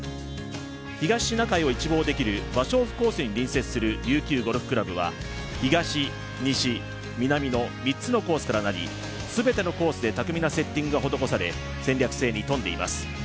東シナ海を一望できる芭蕉布コースに隣接する琉球ゴルフ倶楽部は東、西、南の３つのコースから成り全てのコースで巧みなセッティングが施され、戦略性に富んでいます。